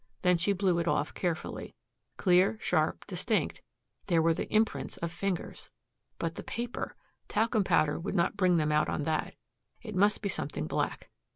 Then she blew it off carefully. Clear, sharp, distinct, there were the imprints of fingers! But the paper. Talcum powder would not bring them out on that. It must be something black.